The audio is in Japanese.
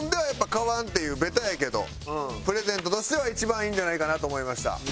ベタやけどプレゼントとしては一番いいんじゃないかなと思いました。